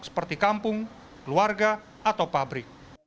seperti kampung keluarga atau pabrik